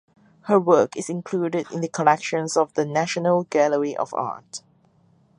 Her work is included in the collections of the National Gallery of Art.